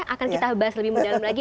akan kita bahas lebih mendalam lagi